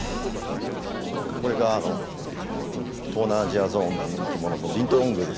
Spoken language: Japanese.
これが東南アジアゾーンの人気者のビントロングです。